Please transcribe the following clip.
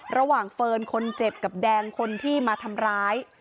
เฟิร์นคนเจ็บกับแดงคนที่มาทำร้าย